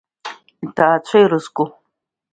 Иҭаацәа ирызку…